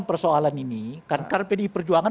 persoalan ini kan karena pdi perjuangan